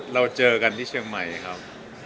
เราเจอกันที่เชียงใหม่ครับ